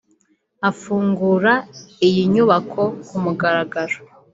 Afungura iyi nyubako ku mugaragaro